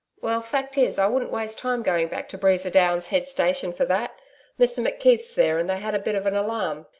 'Well, fact is, I wouldn't waste time going back to Breeza Downs head station for that. Mr McKeith's there and they had a bit of an alarm.